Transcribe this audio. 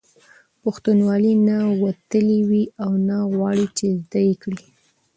او پښتنوالي نه وتلي وي او نه غواړي، چې زده یې کړي